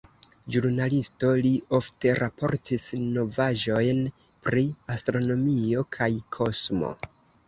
Ĵurnalisto, li ofte raportis novaĵojn pri astronomio kaj kosmo.